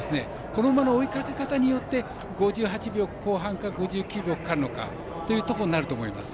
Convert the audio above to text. この馬の追いかけ方によって５８秒後半か５９秒かかるのかということになると思います。